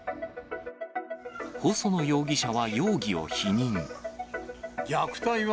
細野容疑者は容疑を否認。